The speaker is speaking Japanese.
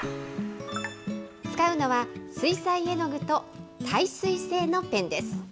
使うのは、水彩絵の具と耐水性のペンです。